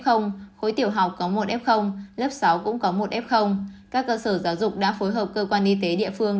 khối tiểu học có một f sáu cũng có một f các cơ sở giáo dục đã phối hợp cơ quan y tế địa phương